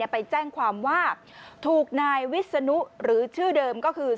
ไปแจ้งความว่าถูกนายวิศนุหรือชื่อเดิมก็คือ